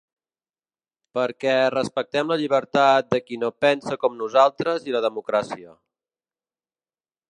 Perquè respectem la llibertat de qui no pensa com nosaltres i la democràcia.